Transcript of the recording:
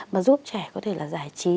mà giúp trẻ có thể là giải trí